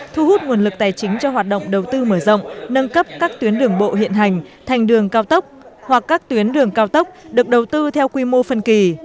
thu hút nguồn lực tài chính cho hoạt động đầu tư mở rộng nâng cấp các tuyến đường bộ hiện hành thành đường cao tốc hoặc các tuyến đường cao tốc được đầu tư theo quy mô phân kỳ